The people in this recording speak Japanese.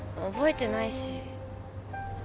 覚えてないし。